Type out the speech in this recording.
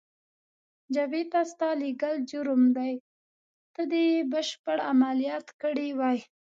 جبهې ته ستا لېږل جرم دی، ته دې یې بشپړ عملیات کړی وای.